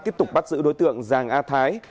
tiếp tục bắt giữ đối tượng giàng a thái